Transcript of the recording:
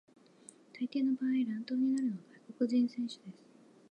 大抵の場合、乱闘になるのは外国人選手です。